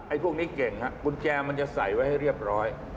พวกนี้เก่งฮะกุญแจมันจะใส่ไว้ให้เรียบร้อย